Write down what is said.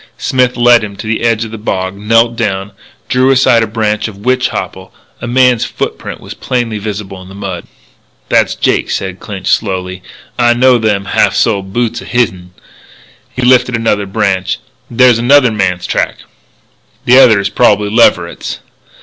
Smith led him to the edge of the bog, knelt down, drew aside a branch of witch hopple. A man's footprint was plainly visible on the mud. "That's Jake," said Clinch slowly. "I know them half soled boots o' hisn." He lifted another branch. "There's another man's track!" "The other is probably Leverett's."